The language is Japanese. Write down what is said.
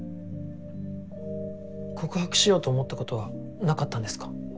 告白しようと思ったことはなかったんですか？